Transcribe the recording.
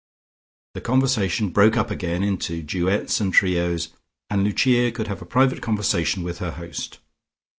The conversation broke up again into duets and trios, and Lucia could have a private conversation with her host.